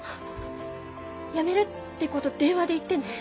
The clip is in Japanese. やめるってこと電話で言ってね。